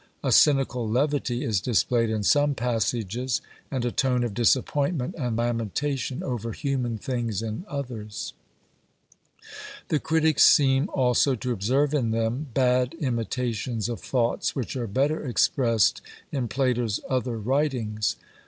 A cynical levity is displayed in some passages, and a tone of disappointment and lamentation over human things in others. The critics seem also to observe in them bad imitations of thoughts which are better expressed in Plato's other writings.